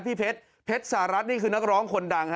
พี่เพชรเพชรสหรัฐนี่คือนักร้องคนดังฮ